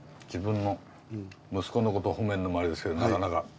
自分の息子のことほめるのもあれですけどなかなか。